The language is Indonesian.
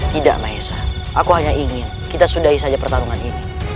tidak maha esa aku hanya ingin kita sudahi saja pertarungan ini